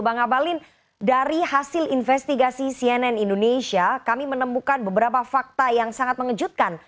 bang abalin dari hasil investigasi cnn indonesia kami menemukan beberapa fakta yang sangat mengejutkan